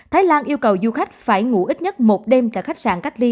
thái lan yêu cầu du khách phải ngủ ít nhất một đêm tại khách sạn cách ly